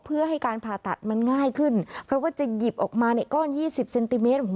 เพื่อให้การผ่าตัดมันง่ายขึ้นเพราะว่าจะหยิบออกมาในก้อน๒๐เซนติเมตร